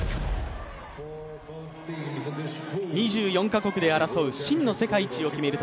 ２４か国で争う真の世界一を決める